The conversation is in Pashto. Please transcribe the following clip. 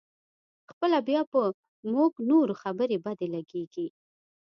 خپله بیا په موږ د نورو خبرې بدې لګېږي.